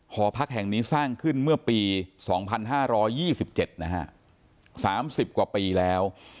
หอพักแห่งนี้สร้างขึ้นเมื่อปีสองพันห้าร้อยยี่สิบเจ็ดนะฮะสามสิบกว่าปีแล้ว